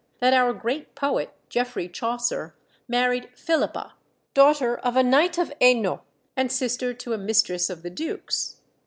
that our great poet, Geoffrey Chaucer, married Philippa, daughter of a knight of Hainault and sister to a mistress of the Duke's.